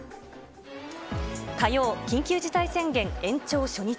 火曜、緊急事態宣言延長初日。